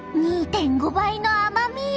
２．５倍の甘み。